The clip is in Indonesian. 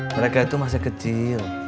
mereka itu masih kecil